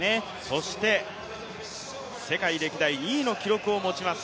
そして、世界歴代２位の記録を持ちます。